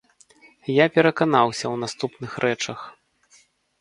Я пераканаўся ў наступных рэчах.